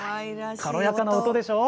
軽やかな音でしょう？